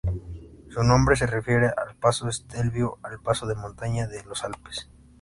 Su nombre se refiere al Paso Stelvio, el paso de montaña de los Alpes.